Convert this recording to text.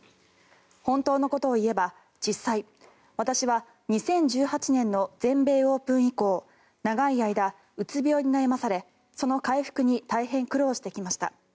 本当のことを言えば実際、私は２０１８年の全米オープン以降長い間、うつ病に悩まされその回復に大変苦労してきました